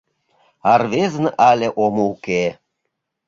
А рвезын але омо уке.